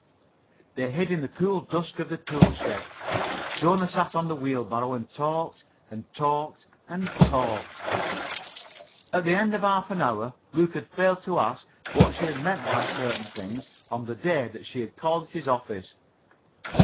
They hid in the cool dusk of the tool shed. Jona sat on the wheelbarrow and talked, and talked, and talked. At the end of half an hour, Luke had failed to ask her what she had meant by certain things on the day that she had called at his office.